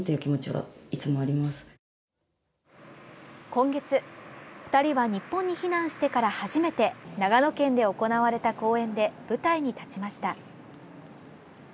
今月、２人は日本に避難してから初めて長野県で行われた公演で舞台に立ちました。